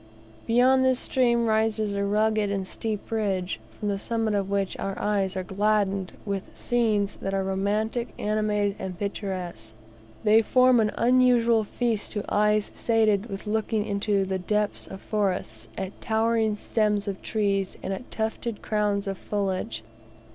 Beyond this stream rises a rugged and steep ridge, from the summit of which our eyes are gladdened with scenes that are romantic, animated and picturesque. They form an unusual feast to eyes sated with looking into the depths of forests, at towering stems of trees, and at tufted crowns of foliage.